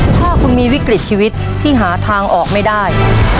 ถ้าคุณมีวิกฤตชีวิตที่หาทางออกไม่ได้